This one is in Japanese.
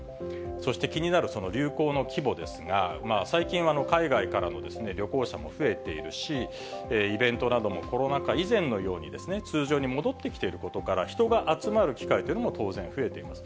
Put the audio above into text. そして気になる流行の規模ですが、最近は海外からの旅行者も増えているし、イベントなどもコロナ禍以前のように通常に戻ってきていることから、人が集まる機会というのも当然、増えています。